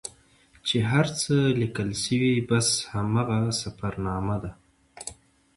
چې هر څه لیکل سوي بس همدغه سفرنامه ده.